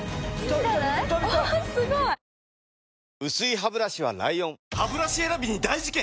薄いハブラシは ＬＩＯＮハブラシ選びに大事件！